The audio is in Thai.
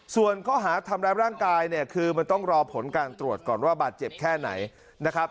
ส่วนข้อหาทำร้ายร่างกายเนี่ยคือมันต้องรอผลการตรวจก่อนว่าบาดเจ็บแค่ไหนนะครับ